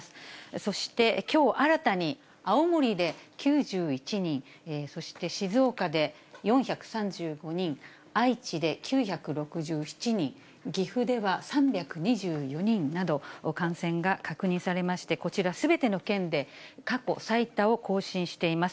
そしてきょう、新たに青森で９１人、そして静岡で４３５人、愛知で９６７人、岐阜では３２４人など、感染が確認されまして、こちら、すべての県で過去最多を更新しています。